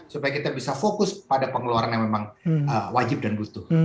supaya kita bisa fokus pada pengeluaran yang memang wajib dan butuh